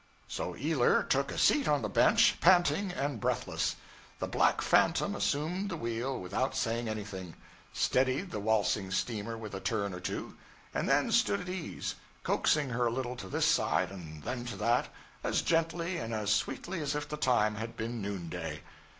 So Ealer took a seat on the bench, panting and breathless. The black phantom assumed the wheel without saying anything, steadied the waltzing steamer with a turn or two, and then stood at ease, coaxing her a little to this side and then to that, as gently and as sweetly as if the time had been noonday.